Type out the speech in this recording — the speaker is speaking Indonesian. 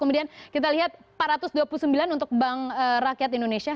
kemudian kita lihat empat ratus dua puluh sembilan untuk bank rakyat indonesia